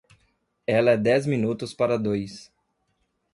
Ela é dez minutos para dois.